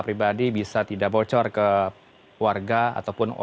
pribadi bisa tidak bocor ke warga ataupun